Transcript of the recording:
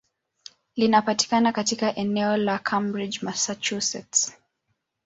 Linapatikana katika eneo la Cambridge, Massachusetts.